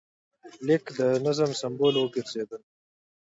لیکل د نظم سمبول وګرځېدل.